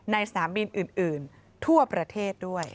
สนามบินอื่นทั่วประเทศด้วย